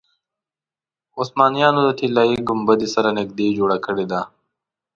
عثمانیانو د طلایي ګنبدې سره نږدې جوړه کړې ده.